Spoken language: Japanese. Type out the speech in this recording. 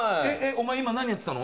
お前今何やってたの？